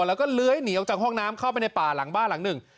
แล้วก็เลื้อยหนีออกจากห้องน้ำเข้าไปในป่าหลังบ้านหลังหนึ่ง